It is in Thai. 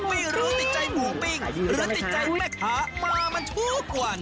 ไม่รู้ติดใจหมูปิ้งหรือติดใจแม่ค้ามามันทุกวัน